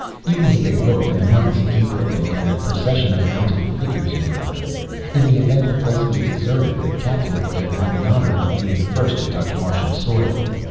Even as they looked an enormous gate opened and a procession of mounted figures emerged. In the event the place was deserted, the Captain would have had the honor of being the first to touch Martian soil.